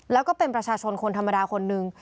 แล้วก็เป็นประชาชนคนธรรมดาคนนึง